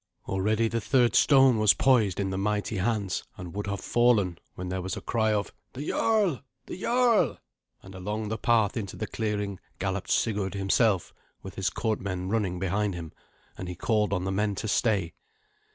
Already the third stone was poised in the mighty hands, and would have fallen, when there was a cry of, "The jarl! the jarl!" and along the path into the clearing galloped Sigurd himself, with his courtmen running behind him, and he called on the men to stay.